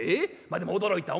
まあでも驚いた。